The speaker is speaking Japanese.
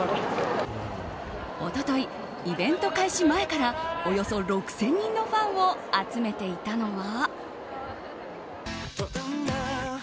一昨日、イベント開始前からおよそ６０００人のファンを集めていたのは。